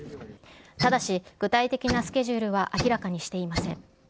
ただし、具体的なスケジュールは明らかにしていません。